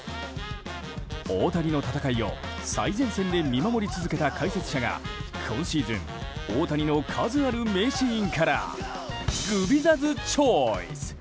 大谷の戦いを最前線で見守り続けた解説者が今シーズン大谷の数ある名シーンからグビザズチョイス！